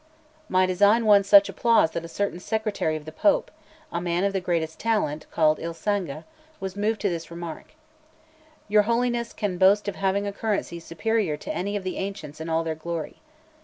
My design won such applause that a certain secretary of the Pope, a man of the greatest talent, called Il Sanga, was moved to this remark: "Your Holiness can boast of having a currency superior to any of the ancients in all their glory."